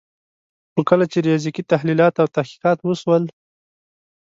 خو کله چي ریاضیکي تحلیلات او تحقیقات وسول